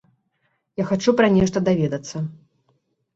Я хачу пра нешта даведацца.